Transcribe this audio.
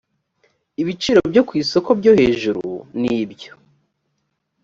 ibiciro byo ku isoko byo hejuru n ibyo